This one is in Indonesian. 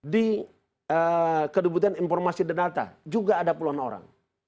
di kedubutan informasi dan data juga ada puluhan orang